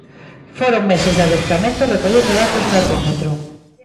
Foron meses de adestramento recollendo datos no ergómetro.